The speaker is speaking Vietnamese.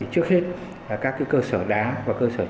trước hết là các cơ sở đá và cơ sở trung tâm